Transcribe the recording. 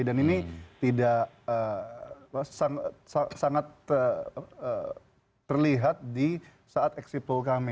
dan ini tidak sangat terlihat di saat exit poll kami